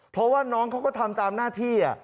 เพราะว่าน้องเขาก็ทำตามหน้าที่